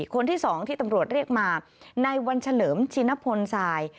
คนที่๒ที่ตำรวจเรียกมาในวันเฉลิมชินพลทราย